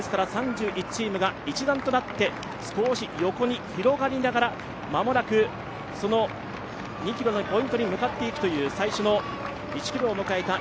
３１チームが一団となって少し横に広がりながら間もなく２ｋｍのポイントに向かっていく最初の１ｋｍを迎えた